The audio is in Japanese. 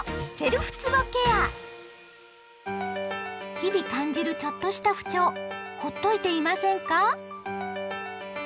日々感じるちょっとした不調ほっといていませんか？